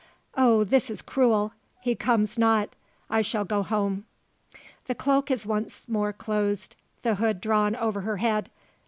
Oh, this is cruel! He comes not I shall go home." The cloak is once more closed, the hood drawn over her head.